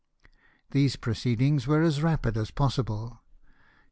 These proceedings were as rapid as possible.